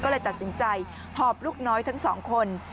ก็เลยตัดสินใจหอบลูกน้อยทั้งสองคน